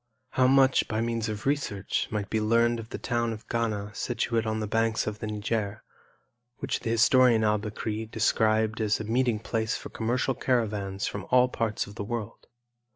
How much, by means of research, might be learned of the town of Ghana situate on the banks of the Niger, which the historian Al Bekri described as a meeting place for commercial caravans from all parts of the world?